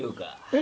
え？